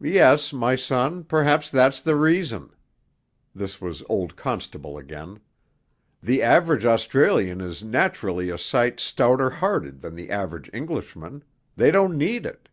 'Yes, my son, perhaps that's the reason' this was old Constable again 'the average Australian is naturally a sight stouter hearted than the average Englishman they don't need it.'